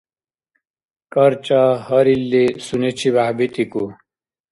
КӀарчӀа гьарилли сунечибяхӀ битӀикӀу.